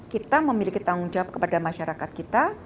kita memiliki tanggung jawab kepada masyarakat kita